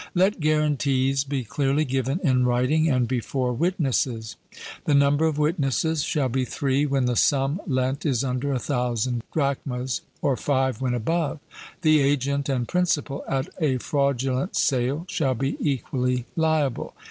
Let guarantees be clearly given in writing and before witnesses. The number of witnesses shall be three when the sum lent is under a thousand drachmas, or five when above. The agent and principal at a fraudulent sale shall be equally liable.